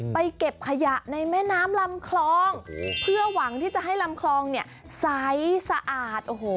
เก็บขยะในแม่น้ำลำคลองเพื่อหวังที่จะให้ลำคลองเนี่ยใสสะอาดโอ้โห